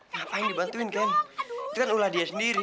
ngapain dibantuin kan itu kan ulah dia sendiri